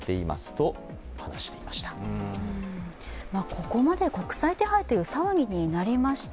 ここまで国際手配という騒ぎになりました。